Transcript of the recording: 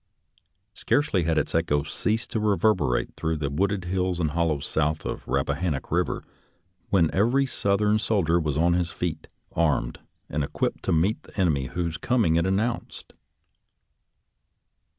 Scarcely had its echoes ceased to reverberate through the wooded hills and hollows south of the Rappa hannock Eiver when every Southern soldier was on his feet, armed and equipped to meet the enemy whose coming it announced.